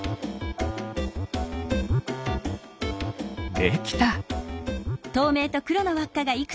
できた。